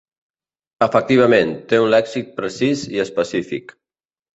Efectivament, té un lèxic precís i específic.